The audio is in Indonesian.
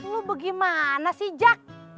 lu bagaimana sih jak